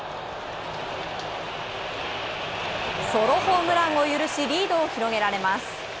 ソロホームランを許しリードを広げられます。